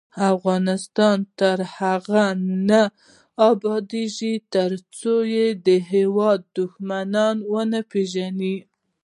افغانستان تر هغو نه ابادیږي، ترڅو د هیواد دښمنان ونه پیژنو.